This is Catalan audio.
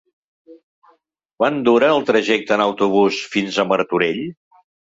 Quant dura el trajecte en autobús fins a Martorell?